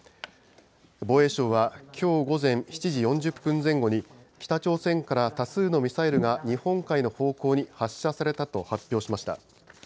防衛省はきょう午前７時４０分前後に、北朝鮮から多数のミサイルが日本海の方向に発射されたと発表しました。